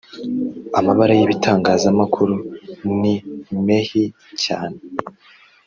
amabara y ‘ibitangazamakuru nimehi cyane.